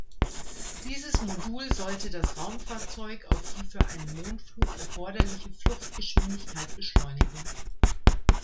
Dieses Modul sollte das Raumfahrzeug auf die für einen Mondflug erforderliche Fluchtgeschwindigkeit beschleunigen.